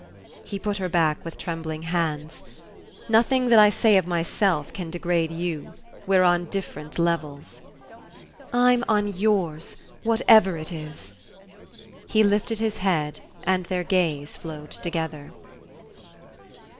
He put her back with trembling hands. "Nothing that I say of myself can degrade you. We're on different levels." "I'm on yours, whatever it is!" He lifted his head and their gaze flowed together.